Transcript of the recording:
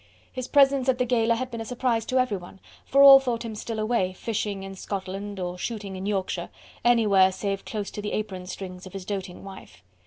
His presence at the Gala had been a surprise to everyone, for all thought him still away, fishing in Scotland or shooting in Yorkshire, anywhere save close to the apron strings of his doting wife.